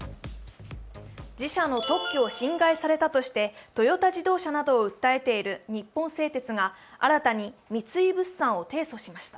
自社の特許を侵害されたなどとしてトヨタ自動車などを訴えている日本製鉄が新たに三井物産を提訴しました。